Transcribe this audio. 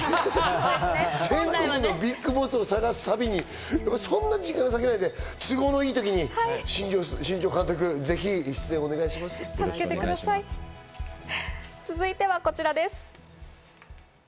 全国のＢＩＧＢＯＳＳを探す旅にそんなに時間を割けないので、都合のいい時に新庄監督、ぜひ出続いてはこちらです。